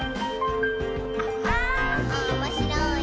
「おもしろいなぁ」